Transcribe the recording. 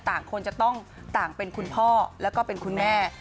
คนจะต้องต่างเป็นคุณพ่อแล้วก็เป็นคุณแม่